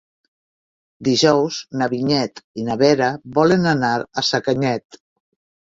Dijous na Vinyet i na Vera volen anar a Sacanyet.